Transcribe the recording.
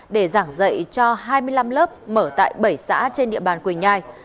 để giảng dạy cho hai mươi năm lớp mở tại bảy xã trên địa bàn quỳnh nhai